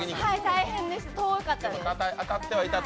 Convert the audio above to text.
大変でした、遠かったです。